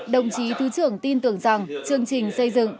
đồng chí thứ trưởng tin tưởng rằng chương trình xây dựng